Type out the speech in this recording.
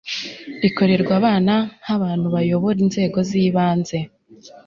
rikorerwa abana nk abantu bayobora inzego z ibanze